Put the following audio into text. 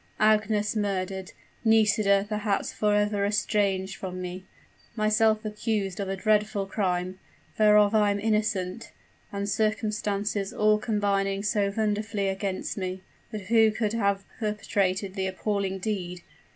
Agnes murdered Nisida perhaps forever estranged from me myself accused of a dreadful crime, whereof I am innocent and circumstances all combining so wonderfully against me! But who could have perpetrated the appalling deed?